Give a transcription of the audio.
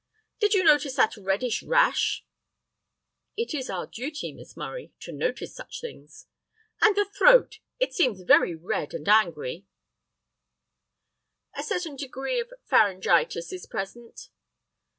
"Did you notice that reddish rash?" "It is our duty, Miss Murray, to notice such things." "And the throat? It seems very red and angry—" "A certain degree of pharyngitis is present."